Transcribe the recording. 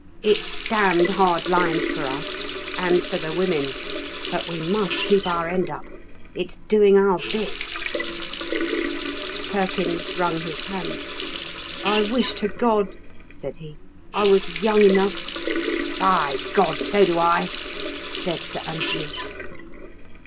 "It's damned hard lines for us, and for the women. But we must keep our end up. It's doing our bit." Perkins wrung his hand. "I wish to God," said he, "I was young enough " "By God! so do I!" said Sir Anthony.